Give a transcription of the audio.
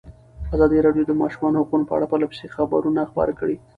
ازادي راډیو د د ماشومانو حقونه په اړه پرله پسې خبرونه خپاره کړي.